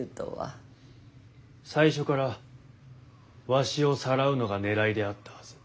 最初からわしをさらうのがねらいであったはず。